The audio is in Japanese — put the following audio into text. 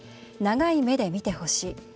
長い目で見てほしい。